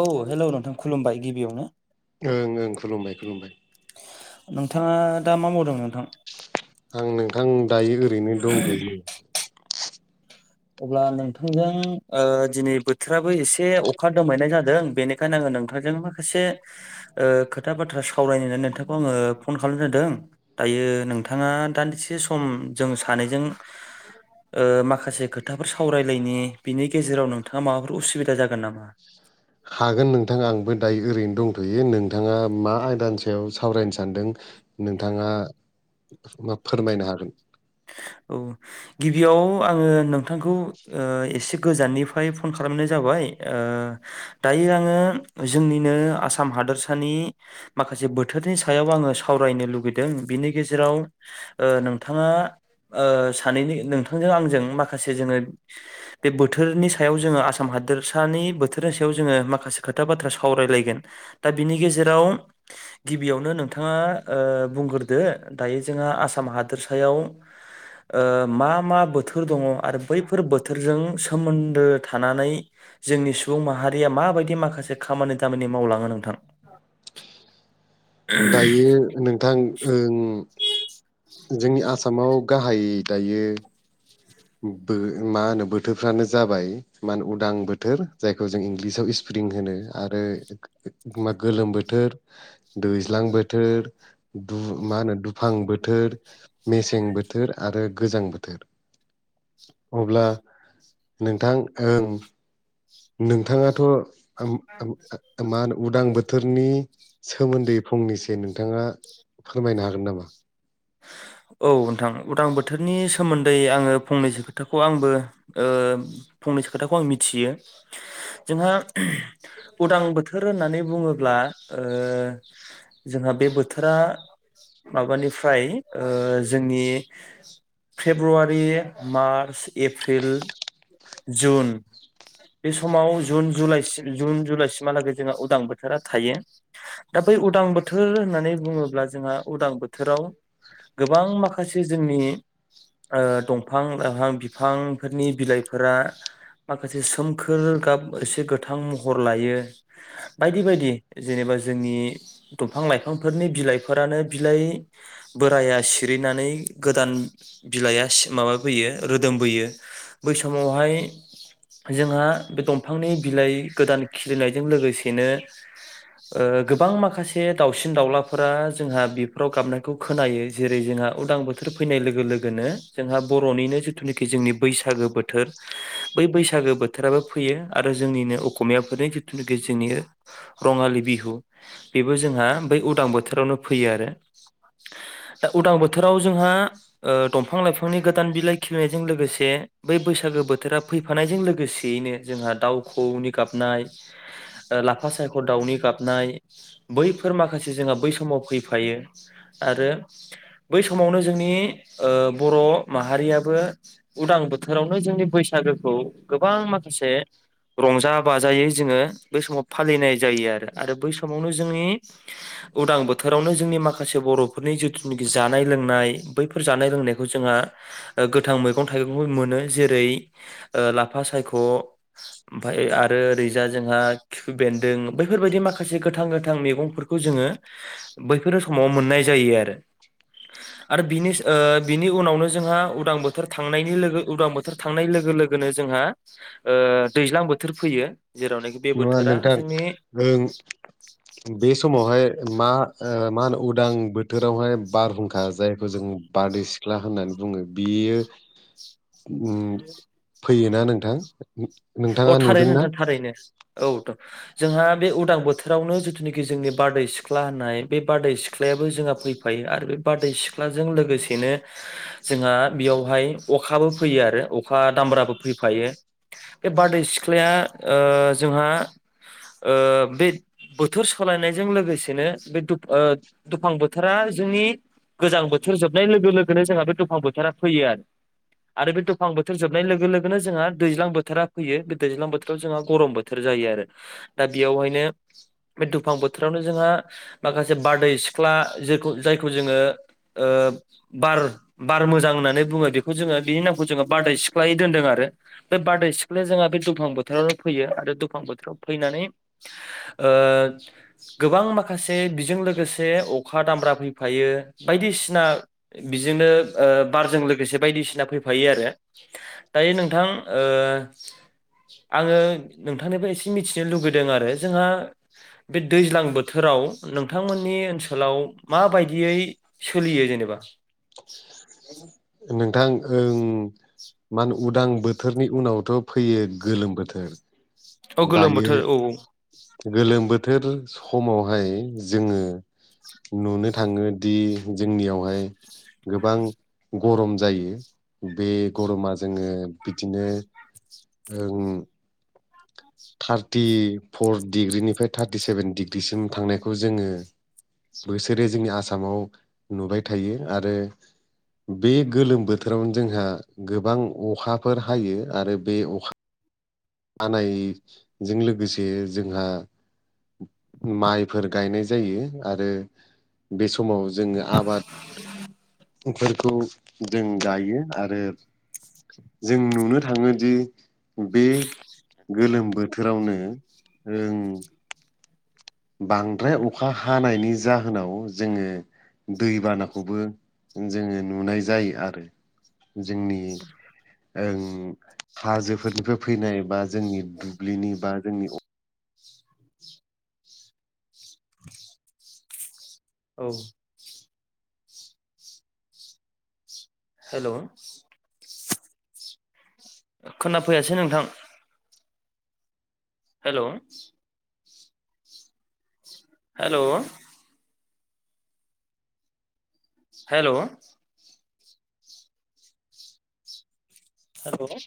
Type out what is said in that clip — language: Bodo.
औ हेलौ नोंथां खुलुमबाय गिबियावनो ओं-ओं खुलुमबाय खुलुमबाय नोंथाङा दा मा मावदोंमोन नोंथां आं नोंथां दायो ओरैनो दंथ'यो अब्ला नोंथांजों दिनै बोथोराबो एसे अखा दोमहैनाय जादों बेनिखायनो आङो नोंथांजों माखासे खोथा बाथ्रा सावरायनो होननानै नोंथांखौ आङो फन खालामनाय जादों दायो नोंथाङा दान्दिसे सम जों सानैजों माखासे खोथाफोर सावरायलायनि बिनि गेजेराव नोंथाङा माबाफोर उसुबिदा जागोन नामा हागोन नोंथां आंबो दायो ओरैनो दंथ'यो नोंथाङा मा आयदानि सायाव सावरायनो सानदों नोंथाङा मा फोरमायनो हागोन औ गिबियाव आङो नोंथांखौ एसे गोजाननि ओमफ्राय फन खालामनाय जाबाय दायो आङो जोंनिनो आसाम हादोरसानि माखासे बोथोरनि सायाव आङो सावरायनो लुुबैदों बिनि गेजेराव नोंथाङा सानैनि नोंथांजों आंजों माखासे जोङो। बे बोथोरनि सायाव जोङो आसाम हादोरसानि बोथोरनि सायाव जोङो माखासे खोथा बाथ्रा सावरायलायगोन। दा बिनि गेजेराव गिबियावनो नोंथाङा बुंग्रोदो दायो जोंहा आसाम हादोरसायाव ओ मा मा बोथोर दङ आरो बैफोर बोथोरजों सोमोन्दो थानानै जोंनि सुबुं माहारिया माबायदि माखासे खामानि दामानि मावलाङो नोंथां दायो नोंथां ओं जोंनि आसामाव गाहाय दायो। मा होनो बोथोरफ्रानो जाबाय मा होनो उदां बोथोर जायखौ जों इंलिसाव स्प्रिं होनो आरो मा गोलोम बोथोर दैज्लां बोथोर मा होनो दुफां बोथोर मेसें बोथोर आरो गोजां बोथोर। अब्ला नोंथां ओं नोंथाङाथ' मा होनो उदां बोथोर बोथोरनि सोमोन्दै फंनैसो नोंथाङा फोरमायनो हागोन नामा? औ नोंथां उदां बोथोरनि सोमोन्दै आङो फंनैसो खोथाखौ आंबो ओ फंनैसो खोथाखौ आं मिथियो जोंहा उदां बोथोर होननानै बुङोब्ला ओ जोंहा बे बोथोरा माबानिफ्राय जोंनि फेब्रुवारि, मार्च, एप्रिल जुन बे समाव जुन, जुलाइ जुन जुलाइसिमहालागै जोंहा उदां बोथोरा थायो। दा बै उदां बोथोर होननानै बुङोब्ला जोंहा उदां बोथोराव गोबां माखासे जोंनि दंफां ओ लाइफां बिफांफोरनि बिलाइ फोरा माखासे सोमखोर गाब एसे गोथां महर लायो। बायदि बायदि जेनेबा जोंनि दंफां-लाइफांफोरनि बिलाइफोरानो बिलाइ बोराया सिरिनानै गोदान बिलाइआ माबाबोयो रोदोमबोयो। बै समावहाय जोंहा बे दंफांनि बिलाइ गोदान खिलिनायजों लोगोसेनो गोबां माखासे दाउसिन दाउलाफोरा जोंहा बेफोराव गाबनायखौ खोनायो जेरै जोंहा उदां बोथोर फैनाय लोगो लोगोनो जोंहा बर'निनो जिथुनाखि जोंनि बैसागो। बोथोर बै बैसागो बोथोराबो फैयो आरो जोंनिनो अस'मियाफोरनि जिथुनाखि जोंनि रङालि बिहु बेबो जोंहा बै उदां बोथोरावनो फैयो आरो। दा उदां बोथोराव जोंहा दंफां लाइफांनि गोदान बिलाइ खिलिनायजों लोगोसे बै बैसागो बोथोरा फैफानायजों लोगोसेयैनो जोंहा दाउखौऔनि गाबनाय ओ लाफा सायख' दाउनि गाबनाय बैफोर माखासे जोंहा बै समाव फैफायो आरो। बै समावनो जोंनि बर' माहारियाबो उदां बोथोराव फोरावनो जोंनि बैसागोखौ गोबां माखासे रंजा बाजायै जोङो बै समाव फालिनाय जायो आरो आरो बै समावनो जोंनि उदां बोथोरावनो जोंनि माखासे बर'फोरनि जिथुनाखि जानाय लोंनाय बैफोर बैफोर जानाय लोंनायखौ जों गोथां मैगं थाइगं मोनो ओ जेरै-लाफा सायख' आरो ओरैजा जोंहा खिफि बेन्दों बैफोरबायदि माखासे गोथां गोथां मैगंफोरखौ जोङो। बैफोर समाव मोननाय जायो आरो। आरो बिनि बिनि उनावनो जोंहा उदां बोथोर थांनायनि लोगो उदां बोथोर थांनाय लोगो लोगोनो जोंहा ओ दैज्लां बोथोर फैयो। जेरावनाखि बे नङा बोथोरा नोंथां जोंनि ओं बे समावहाय मा ओ मा होनो उदां बोथोरावहाय बारहुंखा जायखौ जों बारदै सिख्ला होननानै बुङो बियो ओम फैयोना नोंथां? अ नोंथाङा थारैनो नुदोंना नोंथां थारैनो औथ' जोंहा बे उदां बोथोरावनो जिथुनोखि जोंनि बारदै सिख्ला होननाय बे बारदै सिख्लायाबो जोंहा फै फायो आरो बे बारदै सिख्लाजोंनो लोगोसेनो जोंहा बियावहाय अखाबो फैयो आरो अखा दामब्राबो फैफायो बे बारदै सिख्लाया ओ जोंहा ओ बे बोथोर सोलायनायजों लोगोसेनो बे दुफ ओ दुफां बोथोरा जोंनि गोजां बोथोर जोबनाय लोगो लोगोनो जोंहा बे दुफां बोथोरा फैयो आरो आरो बे दुफां बोथोर जोबनाय लोगो लोगोनो जोंहा दैज्लां बोथोरा फैयो बे दैज्लां बोथोराव जोंहा गरम बोथोर जायो आरो दा बेयावहायनो बे दुफां बोथोरावनो जोंहा माखासे बारदै सिख्ला जेखौ जायखौ जोङो ओ बार बार मोजां होननानै बुङो बेखौ जोङो बिनि नामखौ जोङो बारदै सिख्लायै दोनदों आरो बे बारदै सिख्लाया जोंहा बे दुफां बोथोरावनो फैयो आरो दुफां बोथोराव फैनानै ओ गोबां माखासे बिजों लोगोसे अखा दामब्रा फैफायो बायदिसिना बिजोंनो ओ बारजों लोगोसे बायदिसिना फैफायो आरो दायो नोंथां ओ आङो नोंथांनिफाय एसे मिथिनो लुगैदों आरो जोंहा बे दैज्लां बोथोराव नोंथांमोननि ओनसोलाव माबायदियै सोलियो जेनेबा नोंथां ओं मा होनो उदां बोथोरनि उनावथ' फैयो गोलोम बोथोर अ गोलोम दायो बोथोर औ गोलोम बोथोर समावहाय जोङो नुनो थाङोदि जोंनियावहाय गोबां गरम जायो बे गरमा जोङो बिदिनो ओं थार्टिफर डिग्रिनिफ्राय थारटि सेभेन डिग्रिसिम थांनायखौ जोङो बोसोरै जोंनि आसामाव नुबाय थायो आरो बे गोलोम बोथोरावनो जोंहा गोबां अखाफोर हायो आरो बे अखा हानायजों लोगोसे जोंहा माइफोर गायनाय जायो आरो बे समाव जोङो आबाद इफोरखौ जों गायो आरो जों नुनो थाङोदि बे गोलोम बोथोरावनो रों बांद्राय अखा हानायनि जाहोनाव जोङो दैबानाखौबो जोङो नुनाय जायो आरो जोंनि ओं हाजोफोरनिफ्राय फैनाय बा जोंनि दुब्लिनि बा जोंनि औ हेल' खोनाफैयासै नोंथां हेल' हेल' हेल' हेल'